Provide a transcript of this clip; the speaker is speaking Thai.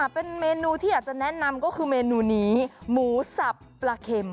เป็นเมนูที่อยากจะแนะนำก็คือเมนูนี้หมูสับปลาเข็ม